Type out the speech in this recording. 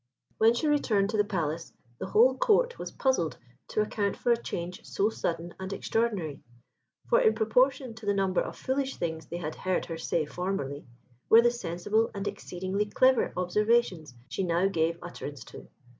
When she returned to the Palace, the whole Court was puzzled to account for a change so sudden and extraordinary, for in proportion to the number of foolish things they had heard her say formerly, were the sensible and exceedingly clever observations she now gave utterance to.